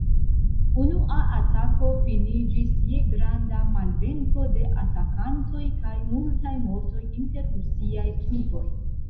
Unua atako finiĝis je granda malvenko de atakantoj kaj multaj mortoj inter Rusiaj trupoj.